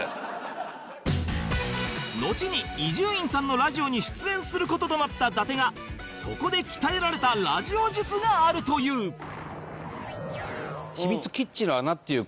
のちに伊集院さんのラジオに出演する事となった伊達がそこで鍛えられたラジオ術があるというがありまして。